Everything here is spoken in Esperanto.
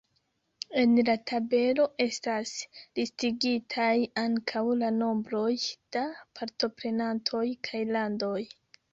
En la tabelo estas listigitaj ankaŭ la nombroj da partoprenantoj kaj landoj.